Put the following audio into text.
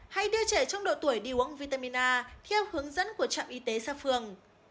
hãy đưa trẻ trong độ tuổi đi uống vitamin a theo hướng dẫn của trạm y tế xa phường